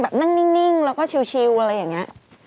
นั่งนิ่งแล้วก็ชิวอะไรอย่างนี้